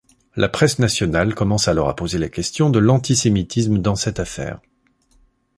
La presse nationale commence alors à poser la question de l'antisémitisme dans cette affaire.